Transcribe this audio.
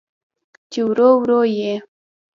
چې ورو، ورو یې